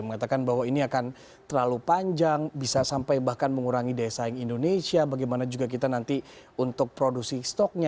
mengatakan bahwa ini akan terlalu panjang bisa sampai bahkan mengurangi daya saing indonesia bagaimana juga kita nanti untuk produksi stoknya